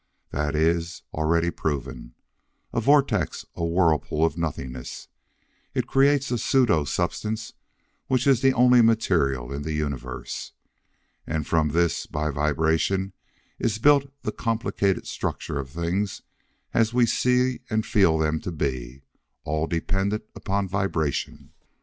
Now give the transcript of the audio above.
That is already proven. A vortex! A whirlpool of nothingness! It creates a pseudo substance which is the only material in the universe. And from this, by vibration, is built the complicated structure of things as we see and feel them to be, all dependent upon vibration.